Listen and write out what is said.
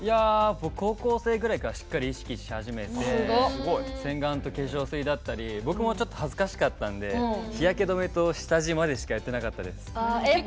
僕、高校生ぐらいからしっかり意識し始めて洗顔と化粧水だったり僕もちょっと恥ずかしかったんで日焼け止めと下地までしかやってなかったです。